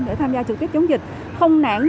để tham gia trực tiếp chống dịch